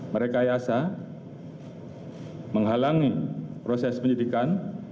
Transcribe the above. merekayasa menghalangi proses penyidikan